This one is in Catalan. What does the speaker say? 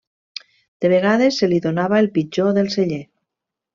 De vegades se li donava el pitjor del celler.